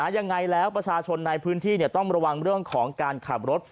ยังไงแล้วประชาชนในพื้นที่ต้องระวังเรื่องของการขับรถ